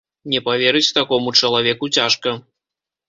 Не паверыць такому чалавеку цяжка.